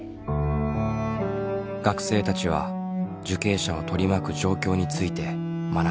学生たちは受刑者を取り巻く状況について学び伝える。